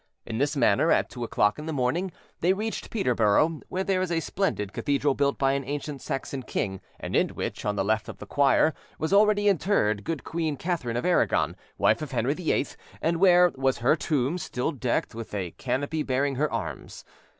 In this manner, at two o'clock in the morning, they reached Peterborough, where there is a splendid cathedral built by an ancient Saxon king, and in which, on the left of the choir, was already interred good Queen Catharine of Aragon, wife of Henry VIII, and where was her tomb, still decked with a canopy bearing her arms.